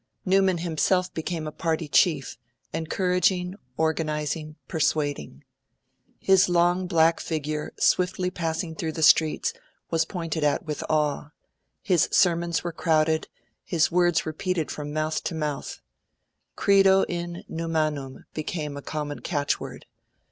Newman himself became a party chief encouraging, organising, persuading. His long black figure, swiftly passing through the streets, was pointed at with awe; crowds flocked to his sermons; his words were repeated from mouth to mouth; 'Credo in Newmannum' became a common catchword.